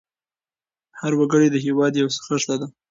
هر وګړی د هېواد یو خښته ده.